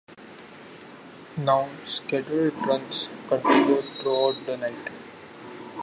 Now, scheduled runs continue throughout the night.